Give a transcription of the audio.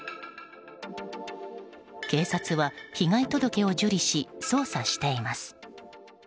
警察は、被害届を受理し捜査しています。